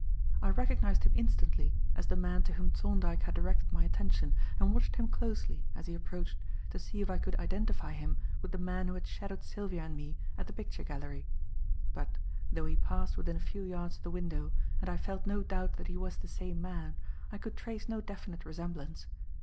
I recognized him instantly as the man to whom Thorndyke had directed my attention, and watched him closely, as he approached, to see if I could identify him with the man who had shadowed Sylvia and me at the picture gallery; but, though he passed within a few yards of the window, and I felt no doubt that he was the same man, I could trace no definite resemblance.